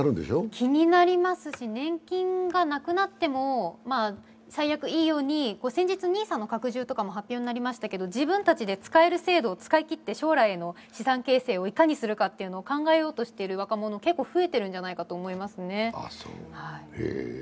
気になりますし、年金がなくなっても最悪いいように、先日、ＮＩＳＡの拡充も発表になりましたが、自分たちで使える制度を使いきって、将来への資産形成をいかにするかを考えようとしている若者は結構増えてるんじゃないかと思いますね。